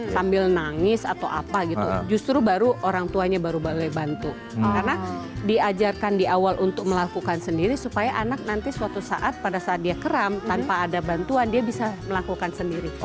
sambil nangis atau apa gitu justru baru orang tuanya baru boleh bantu karena diajarkan di awal untuk melakukan sendiri supaya anak nanti suatu saat pada saat dia keram tanpa ada bantuan dia bisa melakukan sendiri